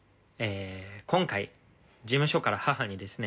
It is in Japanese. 「今回事務所から母にですね